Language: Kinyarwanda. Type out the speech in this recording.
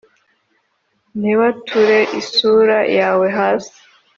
ntibature isura yawe hasi